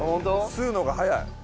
吸うのが早い。